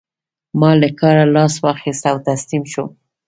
ما له کاره لاس واخيست او تسليم شوم.